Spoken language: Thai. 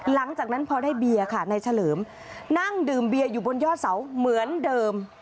หลังจากนั้นพอได้เบียร์ค่ะนายเฉลิมนั่งดื่มเบียร์อยู่บนยอดเสาเหมือนเดิม